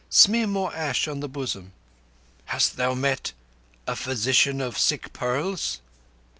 "Smear more ash on the bosom." "Hast thou met—a physician of sick pearls?"